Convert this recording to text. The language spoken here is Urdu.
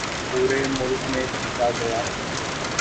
پورے ملک میں پیٹا گیا۔